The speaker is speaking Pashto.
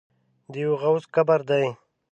د یوه غوث قبر دی.